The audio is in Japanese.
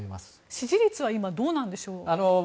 支持率はどうなんでしょう。